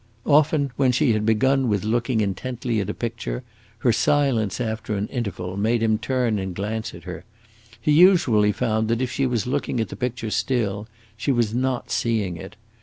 Often, when she had begun with looking intently at a picture, her silence, after an interval, made him turn and glance at her. He usually found that if she was looking at the picture still, she was not seeing it.